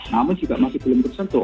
namun juga masih belum tersentuh